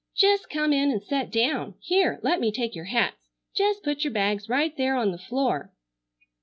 "Jest come in and set down. Here, let me take your hats. Jest put your bags right there on the floor."